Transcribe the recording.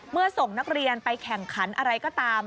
ส่งนักเรียนไปแข่งขันอะไรก็ตาม